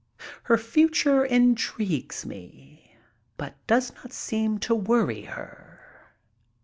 Her future intrigues me, but does not seem to worry her.